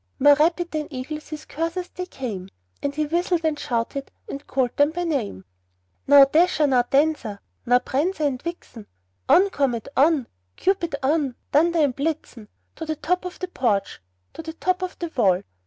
More rapid than eagles his coursers they came, And he whistled, and shouted, and called them by name; "Now, Dasher! now, Dancer! now, Prancer and Vixen! On! Comet, on! Cupid, on! Dunder and Blitzen To the top of the porch, to the top of the wall!